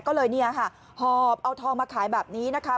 ก็เลยหอบเอาทองมาขายแบบนี้นะคะ